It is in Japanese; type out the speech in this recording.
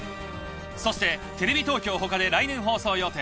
そしてテレビ東京ほかで来年放送予定。